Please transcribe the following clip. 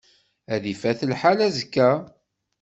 Ad ifat lḥal azekka.